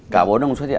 cả bốn ông xuất hiện